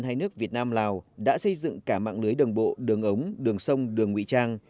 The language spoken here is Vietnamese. hai nước việt nam lào đã xây dựng cả mạng lưới đường bộ đường ống đường sông đường nguy trang